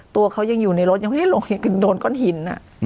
ตัวเขายังอยู่ในรถยังไม่ได้ลงโดนก้อนหิน